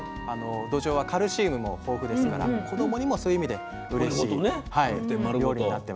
どじょうはカルシウムも豊富ですから子どもにもそういう意味でうれしい料理になってます。